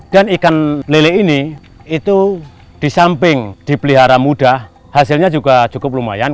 dan ikan lele ini itu di samping dipelihara mudah hasilnya juga cukup lumayan